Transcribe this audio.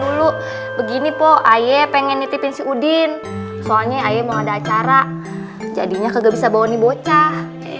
dulu begini po ayo pengen nitipin si udin soalnya ayah mau ada acara jadinya kagak bisa bawa nih bocah